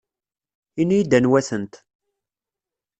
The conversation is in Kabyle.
Ini-iyi-d anwa-tent.